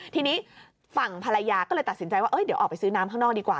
ทีนี้ฝั่งภรรยาก็เลยตัดสินใจว่าเดี๋ยวออกไปซื้อน้ำข้างนอกดีกว่า